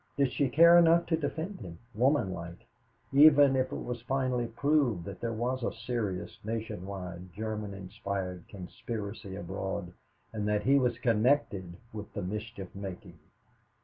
Did she care enough to defend him, womanlike, even if it was finally proved that there was a serious, nationwide, Germany inspired conspiracy abroad and that he was connected with the mischief making?